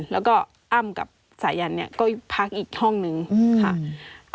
แล้วก็อ้ำกับสายันเนี่ยก็พักอีกห้องนึงค่ะ